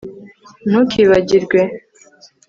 Ntukibagirwe